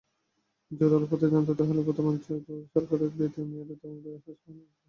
জোরালো প্রতিদ্বন্দ্বিতা হলেও বর্তমান জোট সরকারের দ্বিতীয় মেয়াদে ক্ষমতায় আসার সম্ভাবনা রয়েছে।